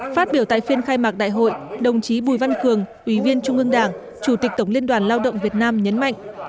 phát biểu tại phiên khai mạc đại hội đồng chí bùi văn cường ủy viên trung ương đảng chủ tịch tổng liên đoàn lao động việt nam nhấn mạnh